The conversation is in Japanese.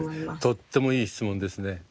とってもいい質問ですね。